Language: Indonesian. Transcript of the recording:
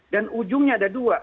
dan ujungnya ada dua